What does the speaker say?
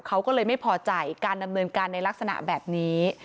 เขาก็เลยไม่พอใจการดำเนินการในลักษณะแบบนี้